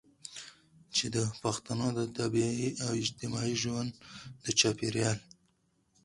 چې د پښتنو د طبیعي او اجتماعي ژوندون د چاپیریال